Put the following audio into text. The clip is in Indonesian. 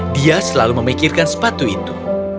dia selalu memikirkan sepatu itu